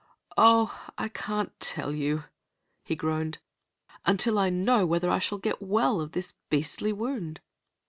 "Oh, I can't tell you," he groaned, "until I know whether I shall get well of this beastly wound."